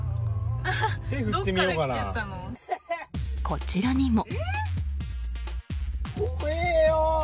こちらにも。